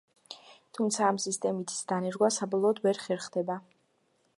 თუმცა, ამ სისტემის დანერგვა საბოლოოდ ვერ ხერხდება.